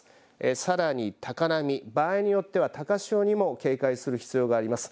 さらに高波場合によっては高潮にも警戒する必要があります。